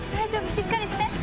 しっかりして。